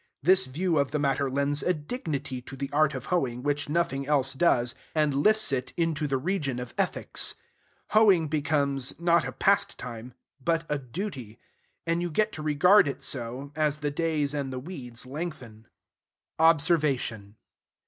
This view of the matter lends a dignity to the art of hoeing which nothing else does, and lifts it into the region of ethics. Hoeing becomes, not a pastime, but a duty. And you get to regard it so, as the days and the weeds lengthen. Observation.